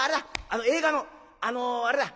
あの映画のあのあれだ！